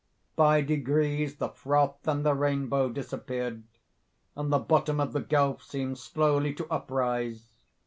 By degrees, the froth and the rainbow disappeared, and the bottom of the gulf seemed slowly to uprise.